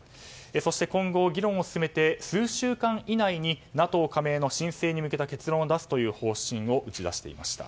そして、今後議論を進めて数週間以内にＮＡＴＯ加盟に向けた結論を出すという方針を打ち出していました。